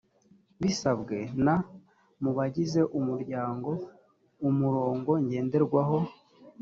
bisabwe na… mu bagize umuryango, umurongo ngenderwaho